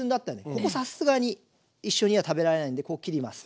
ここさすがに一緒には食べられないのでここ切ります。